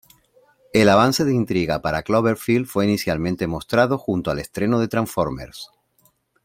El avance de intriga para "Cloverfield" fue inicialmente mostrado junto al estreno de "Transformers".